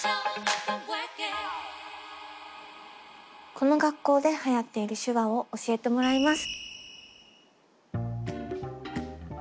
この学校ではやっている手話を教えてもらいます。